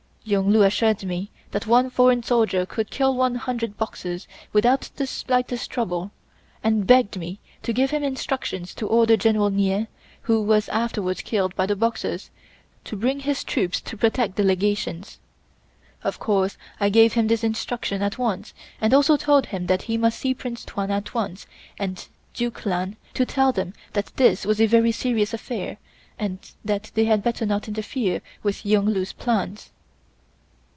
Yung Lu assured me that one foreign soldier could kill one hundred Boxers without the slightest trouble, and begged me to give him instructions to order General Nieh, who was afterwards killed by the Boxers, to bring his troops to protect the Legations. Of course I gave him this instruction at once, and also told him that he must see Prince Tuan at once and Duke Lan to tell them that this was a very serious affair and that they had better not interfere with Yung Lu's plans.